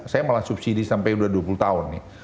saya malah subsidi sampai udah dua puluh tahun nih